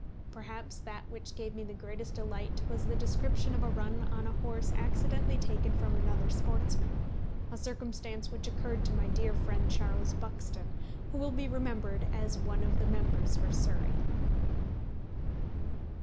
Perhaps that which gave me the greatest delight was the description of a run on a horse accidentally taken from another sportsman, a circumstance which occurred to my dear friend Charles Buxton, who will be remembered as one of the members for Surrey.